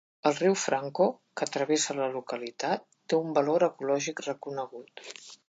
El riu Franco, que travessa la localitat, té un valor ecològic reconegut.